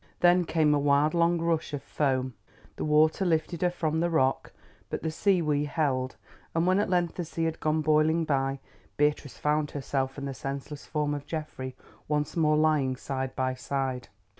Then came a wild long rush of foam. The water lifted her from the rock, but the seaweed held, and when at length the sea had gone boiling by, Beatrice found herself and the senseless form of Geoffrey once more lying side by side.